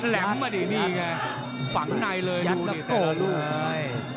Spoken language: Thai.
แหลมมาดีแค่ฝังในเลยดูดิแต่ละลูก